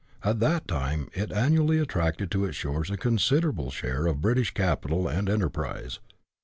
At that time it annually attracted to its shores a considerable share of British capital and enterprise.